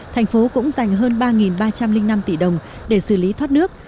thành phố cũng dành hơn ba ba trăm linh năm tỷ đồng để xử lý thoát nước